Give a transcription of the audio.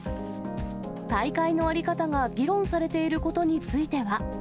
大会の在り方が議論されていることについては。